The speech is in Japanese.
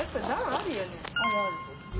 あるある。